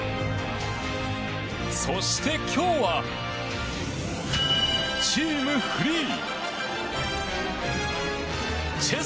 そして今日は、チームフリー。